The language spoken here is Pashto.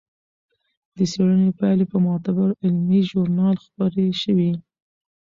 د څېړنې پایلې په معتبر علمي ژورنال خپرې شوې.